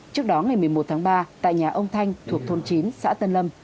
trước đó ngày một mươi một tháng ba tại nhà ông thanh thuộc thôn chín xã tân lâm